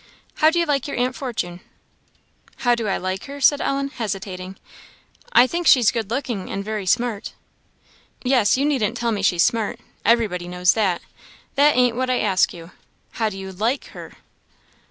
"How do you like your aunt Fortune?" "How do I like her?" said Ellen, hesitating "I think she's good looking, and very smart." "Yes, you needn't tell me she's smart everybody knows that; that ain't what I ask you how do you like her?"